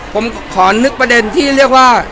ผมขอนึกประเด็นที่เรียกว่า